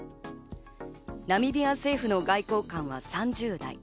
ナミビア政府の外交官は３０代。